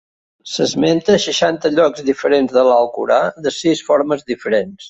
S'esmenta a seixanta llocs diferents de l'Alcorà, de sis formes diferents.